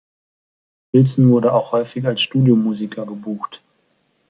Wilson wurde auch häufig als Studiomusiker gebucht.